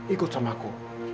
ikut sama aku